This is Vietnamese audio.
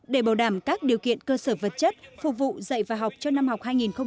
để bảo đảm các điều kiện cơ sở vật chất phục vụ dạy và học cho năm học hai nghìn một mươi sáu hai nghìn một mươi bảy